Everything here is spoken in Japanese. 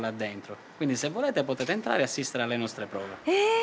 え！